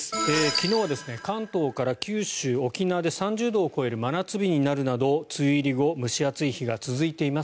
昨日は関東から九州、沖縄で３０度を超える真夏日になるなど梅雨入り後蒸し暑い日が続いています。